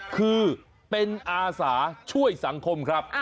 คือเป็นอาสาช่วยสังคมครับ